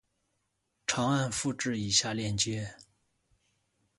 长按复制以下链接